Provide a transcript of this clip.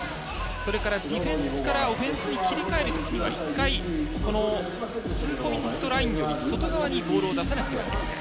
それからディフェンスからオフェンスに切り替える時には１回、このツーポイントラインの外側にボールを出さないといけません。